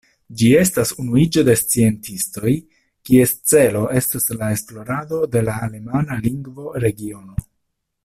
Ĝi estas unuiĝo de sciencistoj, kies celo estas la esplorado de la alemana lingvo-regiono.